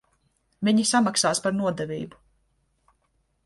Viņi samaksās par nodevību.